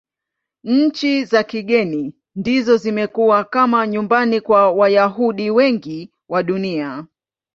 Nchi za kigeni ndizo zimekuwa kama nyumbani kwa Wayahudi wengi wa Dunia.